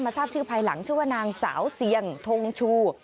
ทราบชื่อภายหลังชื่อว่านางสาวเสียงทงชู